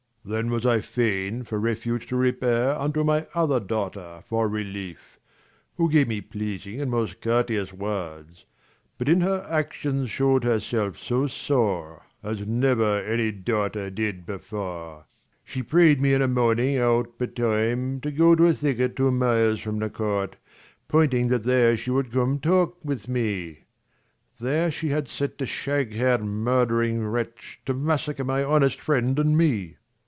Then was I fain for refuge to repair 175 Unto my other daughter for relief; Sc. iv] HIS THREE DAUGHTERS 91 Who gave me pleasing and most courteous words ; But in her actions showed her self so sore, As never any daughter did before : She pray'd me in a morning out betime, 180 To go to a thicket two miles from the court, Pointing that there she would come talk with me : There she had set a shag hair'd murd'ring wretch, To massacre my honest friend and me.